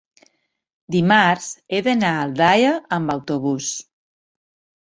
Dimarts he d'anar a Aldaia amb autobús.